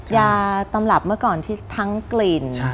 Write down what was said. ยาตำรับเมื่อก่อนที่ทั้งกลิ่น